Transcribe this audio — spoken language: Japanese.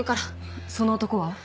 その男は？